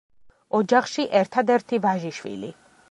ოჯახში ერთადერთი ვაჟიშვილი.